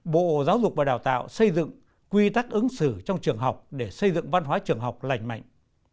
bộ giáo dục và đào tạo xây dựng quy tắc ứng xử trong trường học để xây dựng văn hóa trường học lành mạnh